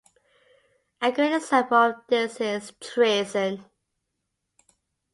A good example of this is treason.